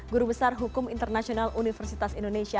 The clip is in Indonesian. guru besar hukum internasional universitas indonesia